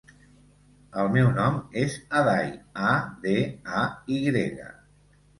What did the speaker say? El meu nom és Aday: a, de, a, i grega.